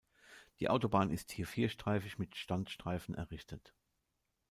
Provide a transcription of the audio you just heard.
Die Autobahn ist hier vierstreifig mit Standstreifen errichtet.